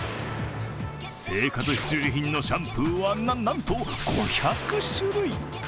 生活必需品のシャンプーはなんと５００種類。